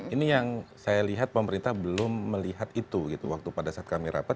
ini yang saya lihat pemerintah belum melihat itu waktu pada saat kami rapat